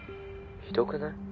ひどくない？